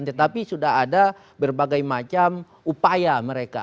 tetapi sudah ada berbagai macam upaya mereka